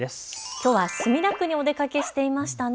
きょうは墨田区にお出かけしていましたね。